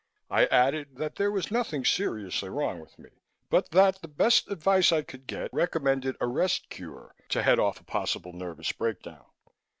I added that there was nothing seriously wrong with me but that the best advice I could get recommended a rest cure to head off a possible nervous breakdown.